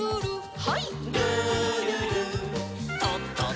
はい。